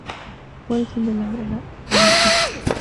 Fue el fin de la guerra dano-sueca.